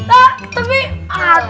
ah tapi ah